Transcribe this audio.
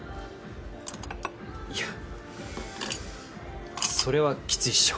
いやそれはきついっしょ。